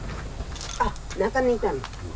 あっ中にいたの。